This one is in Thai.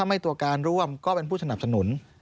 ไม่ตัวการร่วมก็เป็นผู้สนับสนุน